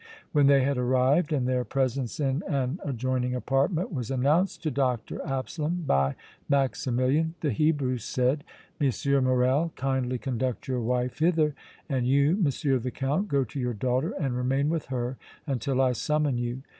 When they had arrived and their presence in an adjoining apartment was announced to Dr. Absalom by Maximilian, the Hebrew said: "M. Morrel, kindly conduct your wife hither, and you, M. the Count, go to your daughter and remain with her until I summon you.